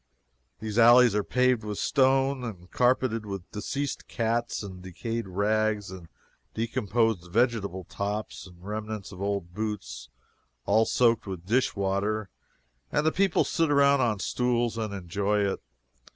These alleys are paved with stone, and carpeted with deceased cats, and decayed rags, and decomposed vegetable tops, and remnants of old boots, all soaked with dish water, and the people sit around on stools and enjoy it.